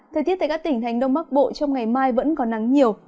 thời tiết tại các tỉnh hành đông bắc bộ trong ngày mai vẫn có nắng nhiều